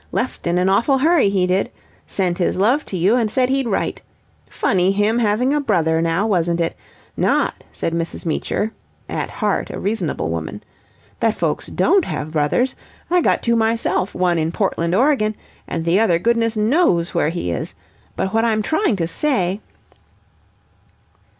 Left in a awful hurry, he did. Sent his love to you and said he'd write. Funny him having a brother, now, wasn't it? Not," said Mrs. Meecher, at heart a reasonable woman, "that folks don't have brothers. I got two myself, one in Portland, Oregon, and the other goodness knows where he is. But what I'm trying to say..."